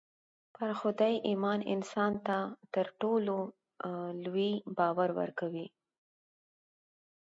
پر خدای ايمان انسان ته تر ټولو لوی باور ورکوي.